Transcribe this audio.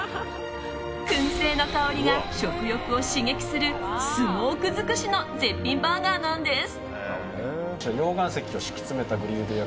燻製の香りが食欲を刺激するスモーク尽くしの絶品バーガーなんです。